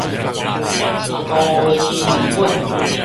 高黐麵粉